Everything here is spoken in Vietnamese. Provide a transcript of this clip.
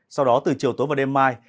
sau đó từ chiều tối và đêm mai